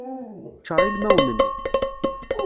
Ččar ilmawen-nni.